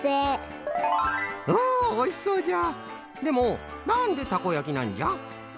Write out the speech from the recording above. でもなんでたこやきなんじゃ？